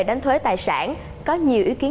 đánh thuế tài sản có nhiều ý kiến